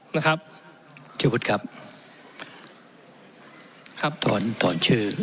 นะครับชื่อวุฒิครับครับถอนถอนชื่อ